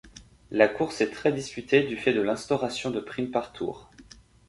La course est très disputée du fait de l'instauration de primes par tours.